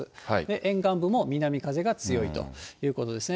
沿岸部も南風が強いということですね。